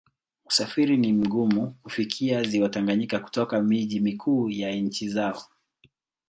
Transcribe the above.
Usafiri ni mgumu kufikia Ziwa Tanganyika kutoka miji mikuu ya nchi zao.